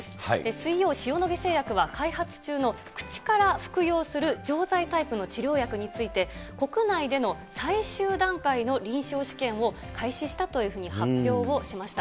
水曜、塩野義製薬は開発中の口から服用する錠剤タイプの治療薬について、国内での最終段階の臨床試験を開始したというふうに発表をしました。